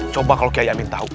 coba kalau kiai amin tahu